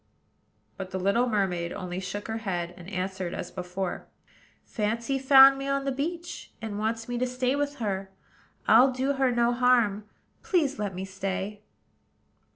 But the little mermaid only shook her head, and answered as before, "Fancy found me on the beach, and wants me to stay with her. I'll do her no harm: please, let me stay."